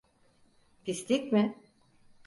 Pislik mi?